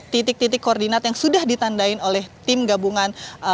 titik titik koordinat yang sudah ditandain oleh tim gabungan